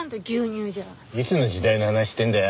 いつの時代の話してんだよ。